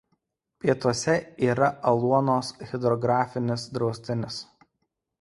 Pietuose yra Aluonos hidrografinis draustinis.